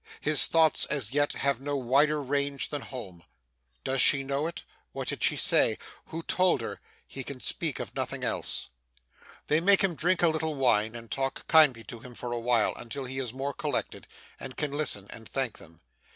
His thoughts, as yet, have no wider range than home. Does she know it? what did she say? who told her? He can speak of nothing else. They make him drink a little wine, and talk kindly to him for a while, until he is more collected, and can listen, and thank them.